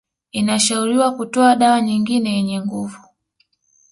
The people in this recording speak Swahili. Inashauriwa kutoa dawa nyingine yenye nguvu